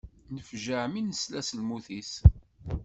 Nefjeε mi nesla s lmut-is.